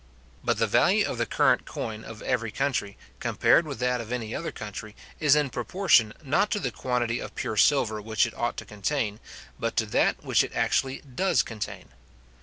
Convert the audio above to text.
But the value of the current coin of every country, compared with that of any other country, is in proportion, not to the quantity of pure silver which it ought to contain, but to that which it actually does contain.